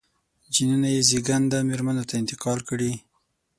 جینونه یې زېږنده مېرمنو ته انتقال کړي.